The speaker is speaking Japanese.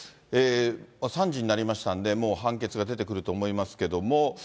３時になりましたんで、もう判決が出てくると思いますけども。